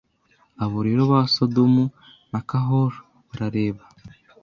Abo rero ba Sodomu na Cahors barareba